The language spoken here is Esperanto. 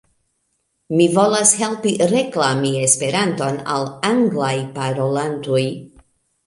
Mi volas helpi reklami Esperanton al anglaj parolantoj